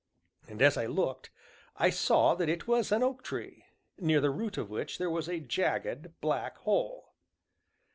And, as I looked, I saw that it was an oak tree, near the root of which there was a jagged, black hole.